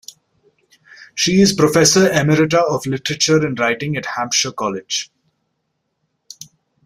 She is Professor Emerita of literature and writing at Hampshire College.